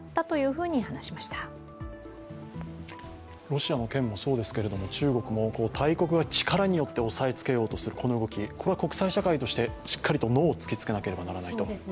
ロシアの件もそうですけれども中国も大国が力によって抑えつけようとするこの動き、これは国際社会としてしっかりとノーを突きつけねばならないと。